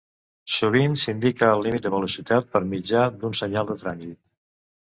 Sovint s'indica el límit de velocitat per mitjà d'un senyal de trànsit.